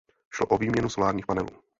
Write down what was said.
Šlo o výměnu solárních panelů.